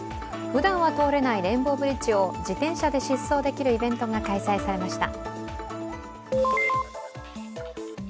ふだんは通れないレインボーブリッジを自転車で疾走できるイベントが開催されました。